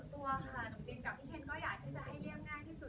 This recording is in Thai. คือส่วนตัวค่ะหนุ่มจริงกับพี่เคนก็อยากให้เลี่ยงง่ายที่สุด